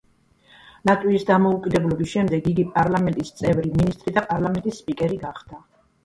ლატვიის დამოუკიდებლობის შემდეგ იგი პარლამენტის წევრი, მინისტრი და პარლამენტის სპიკერი გახდა.